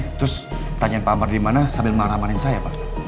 terus tanya pak amar dimana sambil marah marahin saya pak